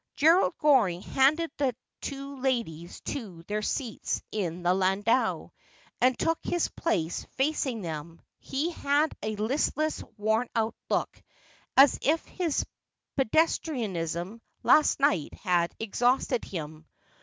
Gerald Goring handed the two ladies to their seats in the landau, and took his place facing them. He had a listless worn out look, as if his pedestrianism last night had exhausted him.